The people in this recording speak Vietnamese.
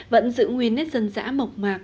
vẫn giữ nguyên nét dân giá mộc mạc